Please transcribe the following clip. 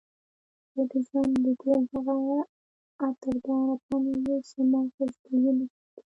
ته د ژوند د ګل هغه عطرداره پاڼه یې چې ما خوشبوینه ساتي.